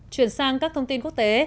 chuyển sang các thông tin quốc tế